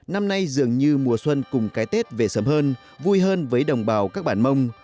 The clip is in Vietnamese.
năm nay dường như mùa xuân cùng cái tết về sớm hơn vui hơn với đồng bào các bản mông